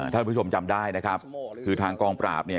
ท่านผู้ชมจำได้นะครับคือทางกองปราบเนี่ย